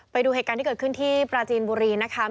ไปดูเหตุการณ์ที่เกิดขึ้นที่ปราจีนบุรีนะคะ